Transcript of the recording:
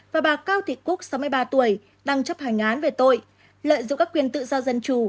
và bà cao thị quốc sáu mươi ba tuổi đang chấp hành án về tội lợi dụng các quyền tự do dân chủ